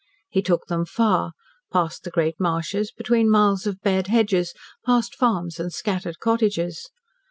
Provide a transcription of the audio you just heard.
He took them far past the great marshes, between miles of bared hedges, past farms and scattered cottages.